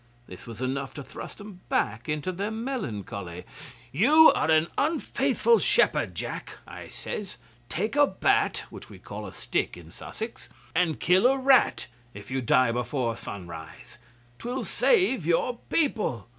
This was enough to thrust 'em back into their melancholy. '"You are an unfaithful shepherd, jack," I says. "Take a bat" (which we call a stick in Sussex) "and kill a rat if you die before sunrise. 'Twill save your people."